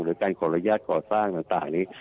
หรือการขออนุญาตก่อสร้างต่างนี้